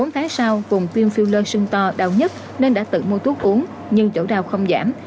bốn tháng sau vùng tiêm filler sưng to đau nhất nên đã tự mua thuốc uống nhưng chỗ đau không giảm